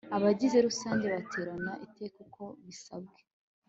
abagize rusange baterana iteka uko bisabwe